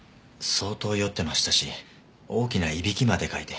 相当酔ってましたし大きないびきまでかいて。